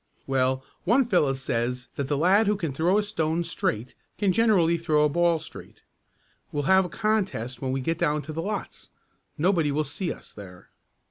"Well, one fellow says that the lad who can throw a stone straight can generally throw a ball straight. We'll have a contest when we get down to the lots. Nobody will see us there."